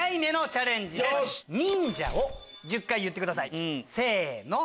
「忍者」を１０回言ってくださいせの！